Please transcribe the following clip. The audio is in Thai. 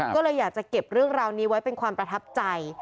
ก็เลยอยากจะเก็บเรื่องราวนี้ไว้เป็นความประทับใจ